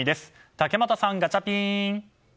竹俣さん、ガチャピン！